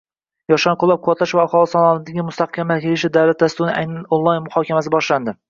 “Yoshlarni qoʻllab-quvvatlash va aholi salomatligini mustahkamlash yili” davlat dasturining onlayn muhokamasi boshlandi.